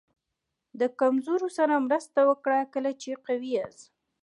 د کمزورو سره مرسته وکړه کله چې قوي یاست.